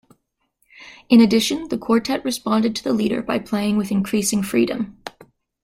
In addition, the quartet responded to the leader by playing with increasing freedom.